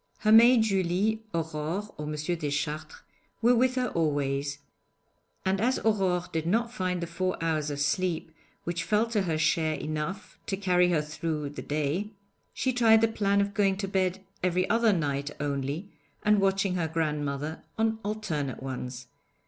Her maid Julie, Aurore, or M. Deschartres were with her always, and as Aurore did not find the four hours of sleep which fell to her share enough to carry her through the day, she tried the plan of going to bed every other night only, and watching her grandmother on alternate ones.